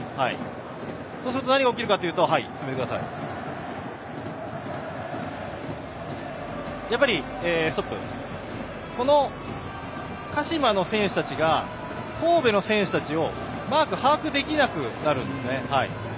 そうすると何が起きるかというと鹿島の選手たちが神戸の選手たちをマーク把握できなくなるんです。